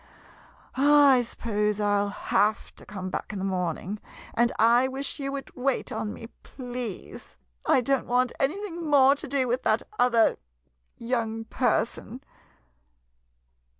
I suppose I '11 have to come back in the morning — and I wish you would wait on me, please. I don't want anything more to do with that other young person.